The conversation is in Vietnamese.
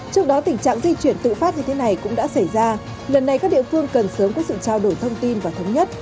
trước đó tình trạng di chuyển tự phát như thế này cũng đã xảy ra lần này các địa phương cần sớm có sự trao đổi thông tin và thống nhất